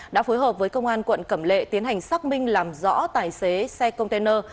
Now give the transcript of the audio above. đã phối hợp với công an quận cẩm lệ tiến hành xác minh làm rõ tài xế xe container